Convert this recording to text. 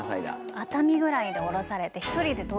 熱海ぐらいで降ろされて。